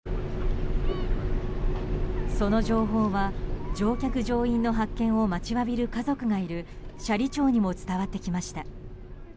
その情報は乗客・乗員の発見を待ちわびる家族がいる斜里町にも伝わってきました。